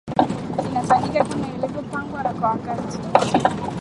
inafanyika kama ilivyopangwa na kwa wakati